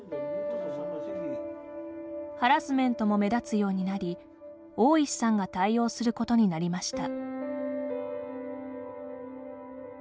ハラスメントも目立つようになり大石さんが対応することになりました。